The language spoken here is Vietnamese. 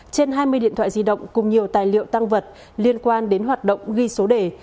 trên hai mươi điện thoại di động cùng nhiều tài liệu tăng vật liên quan đến hoạt động ghi số đề